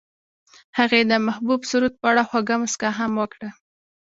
هغې د محبوب سرود په اړه خوږه موسکا هم وکړه.